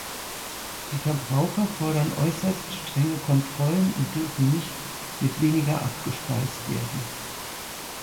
Die Verbraucher fordern äußerst strenge Kontrollen und dürfen nicht mit weniger abgespeist werden.